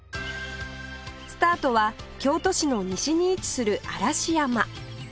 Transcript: スタートは京都市の西に位置する嵐山